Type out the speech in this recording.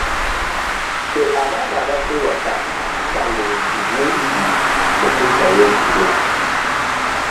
Ffe abaana abava ewaka tusanga obuzibu bungi mu kuddayo ekiro.